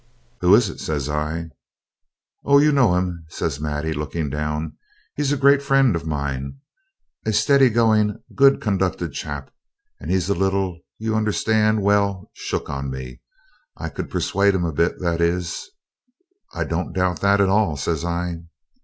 'Who is it?' says I. 'Oh! you know him,' says Maddie, looking down, 'he's a great friend of mine, a steady going, good conducted chap, and he's a little you understand well, shook on me. I could persuade him a bit, that is ' 'I don't doubt that at all,' says I.